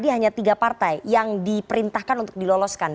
hanya tiga partai yang diperintahkan untuk diloloskan